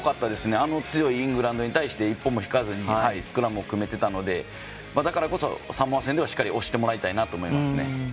あの強いイングランドに対して一歩も引かずにスクラムを組めてたのでだからこそサモア戦ではしっかり押してほしいなと思いますね。